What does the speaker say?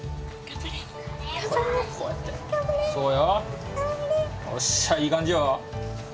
おっしゃいい感じよ！